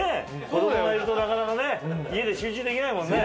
子供がいるとなかなかね家で集中できないもんね。